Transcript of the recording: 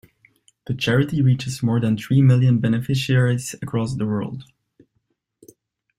The charity reaches more than three million beneficiaries across the world.